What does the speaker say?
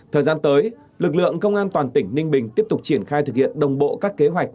thời gian tới lực lượng công an toàn tỉnh ninh bình tiếp tục triển khai thực hiện đồng bộ các kế hoạch